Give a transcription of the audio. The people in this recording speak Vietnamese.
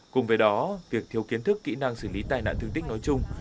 cùng với đó việc thiếu kiến thức kỹ năng xử lý tai nạn thương tích nói chung